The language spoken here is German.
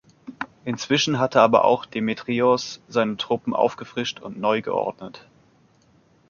Inzwischen hatte aber auch Demetrios seine Truppen aufgefrischt und neu geordnet.